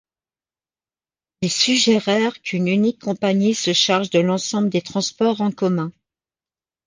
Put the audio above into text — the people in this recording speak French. Ils suggérèrent qu'une unique compagnie se charge de l'ensemble des transports en commun.